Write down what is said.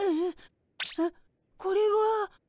あっこれは。